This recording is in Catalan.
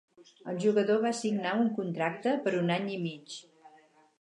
El jugador va signar un contracte per un any i mig.